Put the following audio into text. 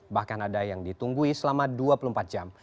bahkan ada yang ditunggui selama dua puluh empat jam